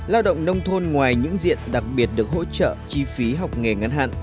lao động nông thôn ngoài những diện đặc biệt được hỗ trợ chi phí học nghề ngắn hạn